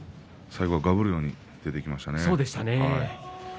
最後はがぶるように出ていきましたね。